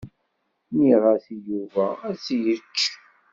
Nniɣ-as i Yuba ad t-yečč.